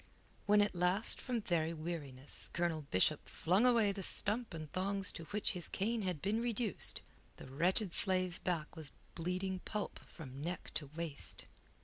When, at last, from very weariness, Colonel Bishop flung away the stump and thongs to which his cane had been reduced, the wretched slave's back was bleeding pulp from neck to waist.